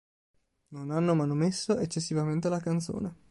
Non hanno manomesso eccessivamente la canzone.